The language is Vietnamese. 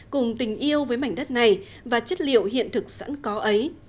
cùng tình yêu với mảnh đất này và chất liệu hiện thực sẵn có ấy